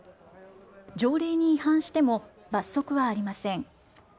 条例に違反しても罰則はありません。